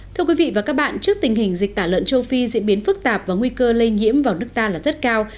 thưa quý vị và các bạn trước tình hình dịch tả lợn châu phi diễn biến phức tạp và nguy cơ lây nhiễm vào nước ta là rất cao